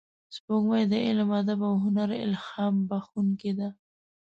سپوږمۍ د علم، ادب او هنر الهام بخښونکې ده